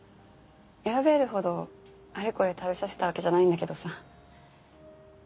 選べるほどあれこれ食べさせたわけじゃないんだけどさ。